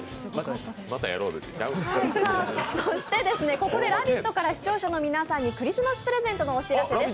ここで「ラヴィット！」から視聴者の皆さんにクリスマスプレゼントのお知らせです。